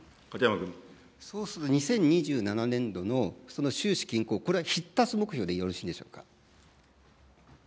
そうすると、２０２７年度のその収支均衡、これは必達目標でよろしいでしょうか。